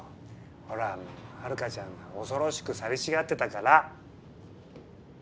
ほらハルカちゃんが恐ろしく寂しがってたから。